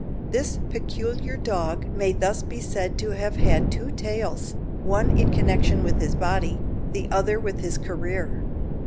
This peculiar dog may thus be said to have had two tails one in connection with his body, the other with his career.